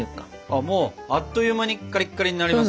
あっもうあっという間にカリッカリになりましたね。